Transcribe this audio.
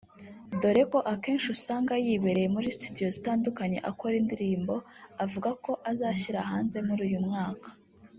doreko akenshi usanga yibereye muri studio zitandukanye akora indirimbo avuga ko azashyira hanze muri uyu mwaka